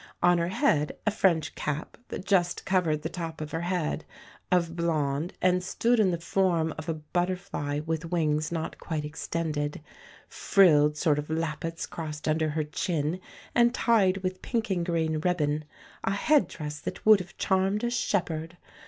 On her head a French cap that just covered the top of her head, of blond, and stood in the form of a butterfly with wings not quite extended; frilled sort of lappets crossed under her chin, and tied with pink and green ribbon a head dress that would have charmed a shepherd!